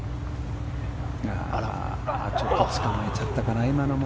ちょっとつかまえちゃったかな。